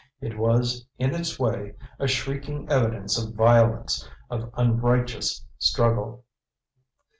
It was, in its way, a shrieking evidence of violence, of unrighteous struggle.